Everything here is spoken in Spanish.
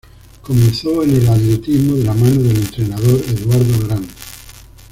Comenzó en el atletismo de la mano del entrenador Eduardo Grant.